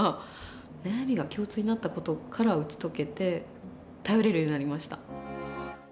悩みが共通になった事から打ち解けて頼れるようになりました。